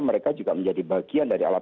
mereka juga menjadi bagian dari alat